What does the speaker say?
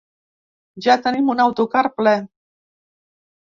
Ja tenim un autocar ple.